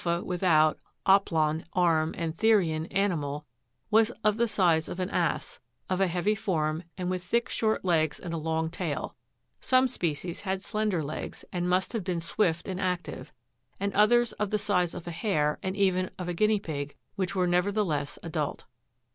83 from the Greek, a, without, oplon, arm, and therioh, animal), was of the size of an ass, of a heavy form, and with thick short legs and a long tail ; some species had slender legs, and must have been swift and active ; and others of the size of a hare, and even of a guinea pig, which were nevertheless adult.